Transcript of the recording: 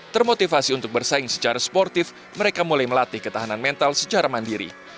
termotivasi untuk bersaing secara sportif mereka mulai melatih ketahanan mental secara mandiri